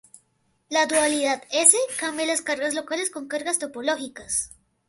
La dualidad-S cambia las cargas locales con cargas topológicas.